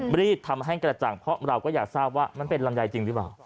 รีบทำให้กระจ่างเพราะเราก็อยากทราบว่ามันเป็นลำไยจริงหรือเปล่า